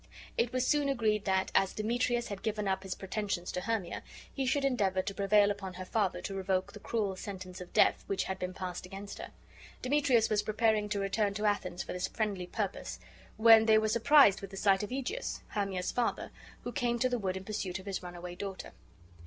It was soon agreed that, as Demetrius bad given up his pretensions to Hermia, he should endeavor to prevail upon her father to revoke the cruel sentence of death which had been passed against her. Demetrius was preparing to return to Athens for this friendly purpose, when they were surprised with the sight of Egeus, Hermia's father, who came to the wood in pursuit of his runaway daughter.